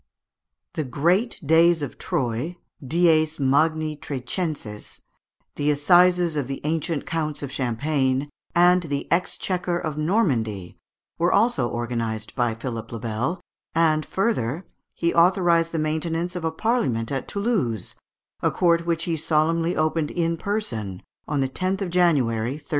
The Great Days of Troyes (dies magni Trecenses), the assizes of the ancient counts of Champagne, and the exchequer of Normandy, were also organized by Philipe le Bel; and, further, he authorised the maintenance of a Parliament at Toulouse, a court which he solemnly opened in person on the 10th of January, 1302.